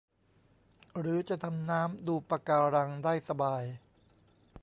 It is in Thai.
หรือจะดำน้ำดูปะการังได้สบาย